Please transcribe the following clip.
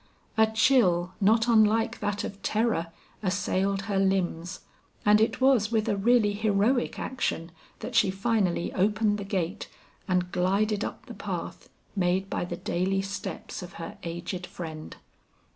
A chill not unlike that of terror, assailed her limbs, and it was with a really heroic action that she finally opened the gate and glided up the path made by the daily steps of her aged friend.